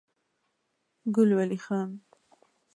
ګل ولي خان